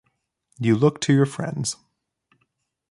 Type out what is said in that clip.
You look to your friends.